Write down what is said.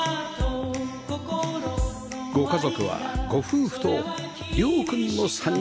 ご家族はご夫婦と涼くんの３人